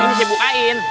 ini saya bukain